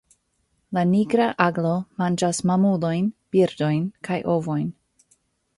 La Nigra aglo manĝas mamulojn, birdojn kaj ovojn.